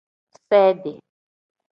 Sedi.